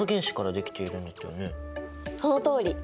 そのとおり！